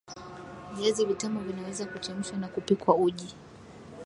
Viazi vitamu vinaweza Kuchemshwa na kupikwa uji